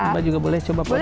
apa juga boleh coba potong